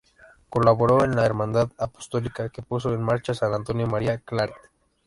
Colaboró en la "Hermandad apostólica" que puso en marcha San Antonio María Claret.